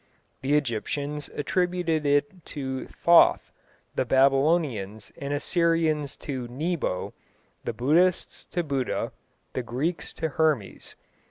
The Egyptians attributed it to Thoth, the Babylonians and Assyrians to Nebo, the Buddhists to Buddha, the Greeks to Hermes.